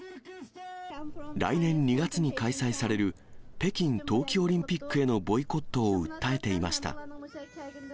来年２月に開催される北京冬季オリンピックへのボイコットを訴えていました。